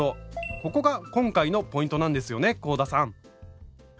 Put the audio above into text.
ここが今回のポイントなんですよね香田さん！